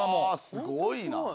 すごいな。